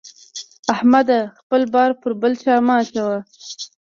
احمده! خپل بار پر بل چا مه اچوه.